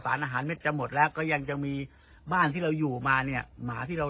อาหารเม็ดจะหมดแล้วก็ยังจะมีบ้านที่เราอยู่มาเนี่ยหมาที่เรา